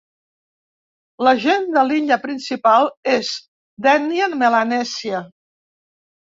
La gent de l'illa principal és d'ètnia melanèsia.